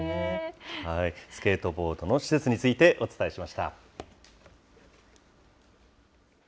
スケートボードの施設について、お伝えしました。